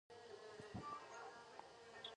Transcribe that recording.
د یو بشپړ نظم په هر بیت کې د یو سېلاب زیاتوالی.